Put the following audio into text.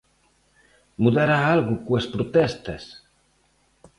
-Mudará algo coas protestas?